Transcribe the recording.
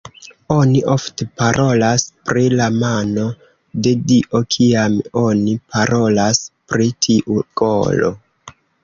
Oni ofte parolas pri "la mano de dio" kiam oni parolas pri tiu golo.